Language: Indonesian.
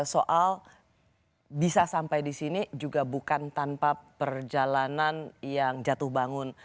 soal bisa sampai di sini juga bukan tanpa perjalanan yang jatuh bangun